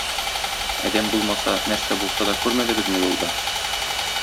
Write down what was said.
Адәм булмаса, нәрсә булса да күрмәдегезме юлда?